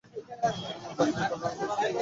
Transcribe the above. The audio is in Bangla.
আমার মনটা আসলে ফাঁকা হয়ে গিয়েছিল।